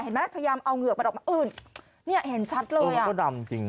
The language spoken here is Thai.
เห็นไหมพยายามเอาเหงือกมาออกมาเอิ่นเนี้ยเห็นชัดเลยอ่ะเออก็ดำจริงน่ะ